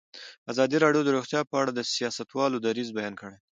ازادي راډیو د روغتیا په اړه د سیاستوالو دریځ بیان کړی.